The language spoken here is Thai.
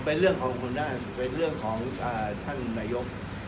เป็นเรื่องของคุณได้เป็นเรื่องของท่านนายก